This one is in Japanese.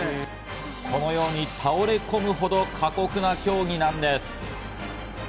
このように倒れこむほど、過酷な競技なんです。